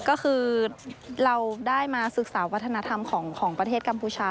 ก็คือเราได้มาศึกษาวัฒนธรรมของประเทศกัมพูชา